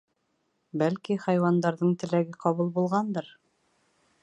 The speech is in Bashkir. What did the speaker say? Бәлки, хайуандарҙың теләге ҡабул булғандыр...